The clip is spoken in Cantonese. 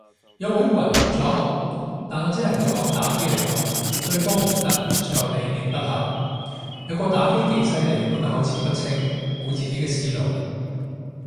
有穩過人合作，但我只能夠講打機來講，對方唔得，最後理念不合，有個打機几犀利，不過口齒不清，無自己嘅思路。